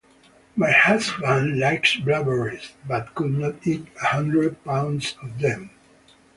My husband likes blueberries, but could not eat a hundred pounds of them.